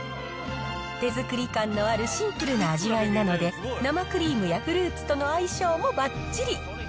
手作り感のあるシンプルな味わいなので、生クリームやフルーツとの相性もばっちり。